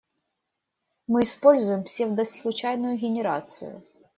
Мы используем псевдослучайную генерацию.